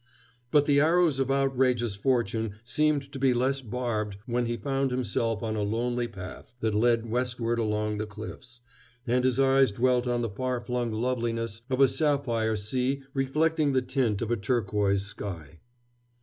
But the arrows of outrageous fortune seemed to be less barbed when he found himself on a lonely path that led westward along the cliffs, and his eyes dwelt on the far flung loveliness of a sapphire sea reflecting the tint of a turquoise sky.